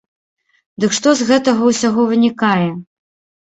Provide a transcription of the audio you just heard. Дык што з гэтага ўсяго вынікае?